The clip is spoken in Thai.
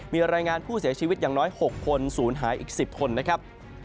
มีรายงานผู้เสียชีวิตอย่างน้อย๖คนศูนย์หายอีก๑๐คนนะครับ